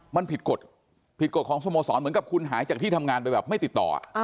มันผิดกฎผิดกฎของสโมสรเหมือนกับคุณหายจากที่ทำงานไปแบบไม่ติดต่อ